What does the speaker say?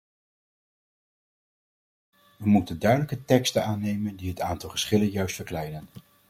We moeten duidelijke teksten aannemen die het aantal geschillen juist verkleinen.